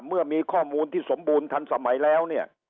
เมื่อมีข้อมูลที่สมบูรณ์ทันสมัยแล้วเนี่ย